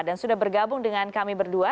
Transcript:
dan sudah bergabung dengan kami berdua